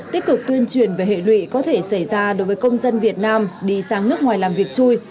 tích cực tuyên truyền về hệ lụy có thể xảy ra đối với công dân việt nam đi sang nước ngoài làm việc chui